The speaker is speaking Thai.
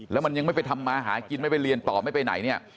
แล้วมันยังไม่ไปทำมาหากินไม่ไปเรียนต่อไม่ไปไหนเนี่ย